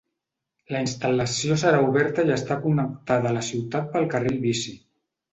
La instal·lació serà oberta i està connectada a la ciutat pel carril bici.